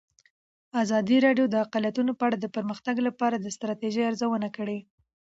ازادي راډیو د اقلیتونه په اړه د پرمختګ لپاره د ستراتیژۍ ارزونه کړې.